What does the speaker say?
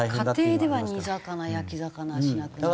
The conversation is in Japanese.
家庭では煮魚焼き魚はしなくなって。